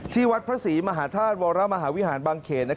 วัดพระศรีมหาธาตุวรมหาวิหารบางเขน